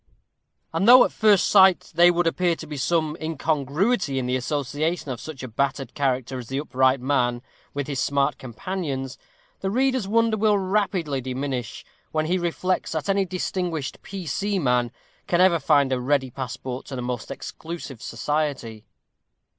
And though, at first sight, there would appear to be some incongruity in the association of such a battered character as the Upright Man with his smart companions, the reader's wonder will rapidly diminish, when he reflects that any distinguished P. C. man can ever find a ready passport to the most exclusive society.